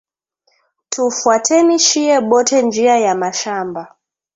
Tu fwateni shiye bote njiya ya mashamba